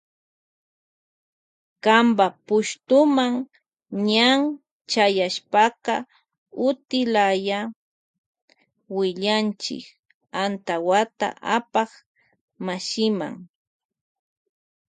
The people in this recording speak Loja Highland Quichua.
Kanpa pushtuma ña chayashpaka utiyalla willachi antawata apak mashima.